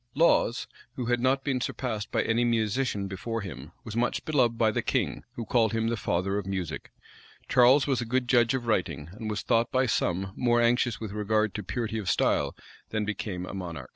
Laws, who had not been surpassed by any musician before him, was much beloved by the king, who called him the father of music. Charles was a good judge of writing, and was thought by some more anxious with regard to purity of style than became a monarch.